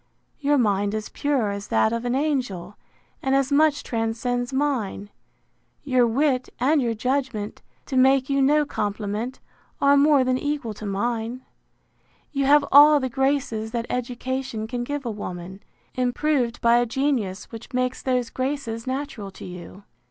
Your mind is pure as that of an angel, and as much transcends mine. Your wit, and your judgment, to make you no compliment, are more than equal to mine: You have all the graces that education can give a woman, improved by a genius which makes those graces natural to you.